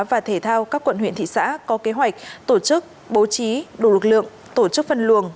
và thể thao các quận huyện thị xã có kế hoạch tổ chức bố trí đủ lực lượng tổ chức phân luồng